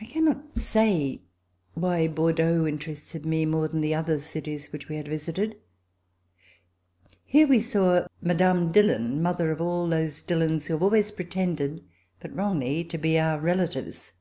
I cannot say why Bordeaux interested me more than the other cities which we had visited. Here we saw Mme. Dillon, mother of all those Dillons who have always pretended, but wrongly, to be our relatives.